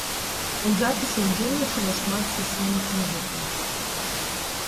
У запісе ўдзельнічала шмат сесійных музыкаў.